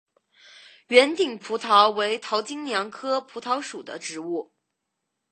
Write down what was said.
圆顶蒲桃为桃金娘科蒲桃属的植物。